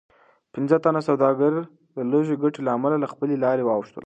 پنځه تنه سوداګر د لږې ګټې له امله له خپلې لارې واوښتل.